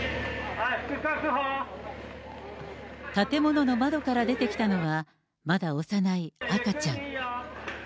建物の窓から出てきたのは、まだ幼い赤ちゃん。